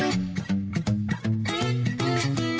เขาก็อยากกินบ้างนะมานั่งกินยั่วข้างแบบนี้